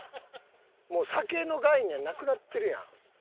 もう酒の概念なくなってるやん。